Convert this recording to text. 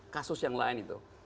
kasus yang lain itu